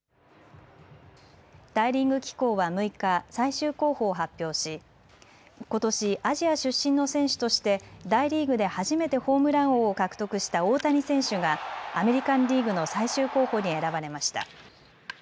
大リーグ機構は６日、最終候補を発表しことしアジア出身の選手として大リーグで初めてホームラン王を獲得した大谷選手がアメリカンリーグの最終候補に選ばれました。